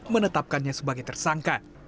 menetapkannya sebagai tersangka